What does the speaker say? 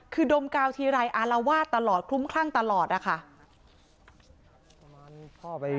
คือดมกาวทีไรอารวาสตลอดคลุ้มคลั่งตลอดนะคะ